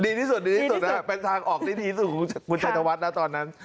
ดีที่สุดดีที่สุดเป็นทางออกดีที่สุดคุณชายภาวะนะตอนนั้น